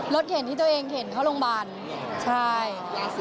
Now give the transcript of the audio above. เข็นที่ตัวเองเข็นเข้าโรงพยาบาลใช่